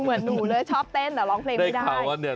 เหมือนหนูเลยชอบเต้นแต่ร้องเพลงไม่ได้ได้ข่าวว่าเนี่ย